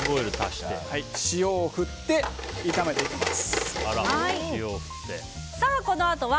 塩を振って炒めていきます。